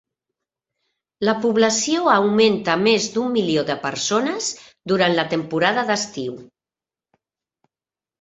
La població augmenta més d'un milió de persones durant la temporada d'estiu.